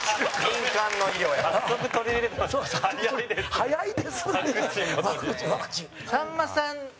早いですね。